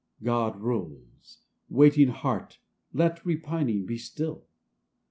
God rules ! waiting heart, let repining be still !